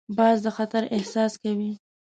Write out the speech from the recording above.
باز د خطر احساس کوي